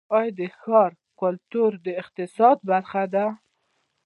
آیا ښاري کلتور د اقتصاد برخه ده؟